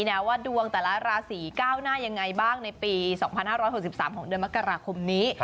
ว่าดวงแต่ละราศีก้าวหน้ายังไงบ้างในปี๒๕๖๓ของเดือนมกราคมนี้